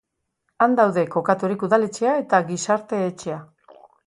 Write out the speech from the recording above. Han daude kokaturik udaletxea eta gizarte-etxea.